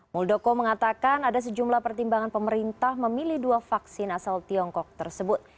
muldoko mengatakan ada sejumlah pertimbangan pemerintah memilih dua vaksin asal tiongkok tersebut